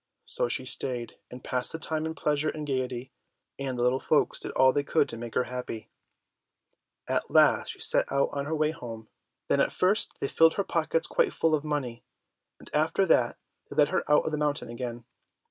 So she stayed, and passed the time in pleasure and gaiety, and the little folks did all they could to make her happy. At last she set out on her way home. Then first they filled her pockets quite full of money, and after that they led her out of the mountain again.